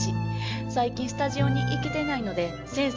最近スタジオに行けてないので先生